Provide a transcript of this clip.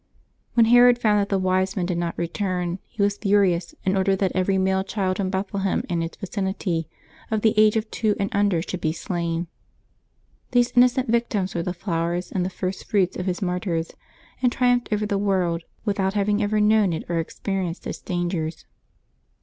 When Herod found that the Wise Men did not return, he was furious, and ordered that every male child in Bethlehem and its vicinity of the age of two and under should be slain. These inno cent victims were the flowers and the first fruits of His martyrs, and triumphed over the world, without having ever known it or experienced its dangers.